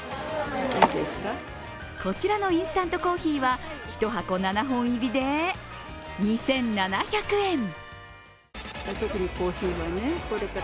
こちらのインスタントコーヒーは１箱７本入りで２７００円。